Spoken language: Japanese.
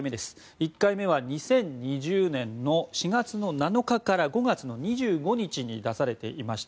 １回目は２０２０年の４月の７日から５月の２５日に出されていました。